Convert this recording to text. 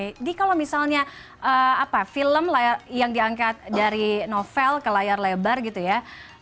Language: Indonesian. jadi kalo misalnya film yang diangkat dari novel ke layar lebar gitu ya